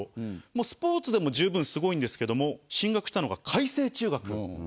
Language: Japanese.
スポーツでも十分すごいんですけども進学したのが開成中学。